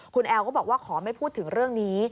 คุณแอลก็บอกว่าขอไม่พูดถึงเรื่องนี้